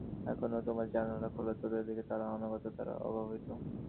এখনও তোমার জানলা খোলা যাদের দিকে, তারা অনাগত তারা অভাবিত।